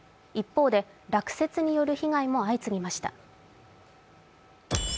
一方で落雪による被害も相次ぎました。